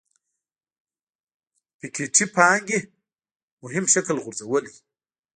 پيکيټي پانګې مهم شکل غورځولی.